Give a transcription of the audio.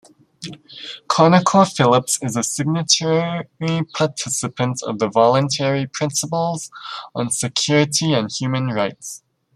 ConocoPhillips is a signatory participant of the Voluntary Principles on Security and Human Rights.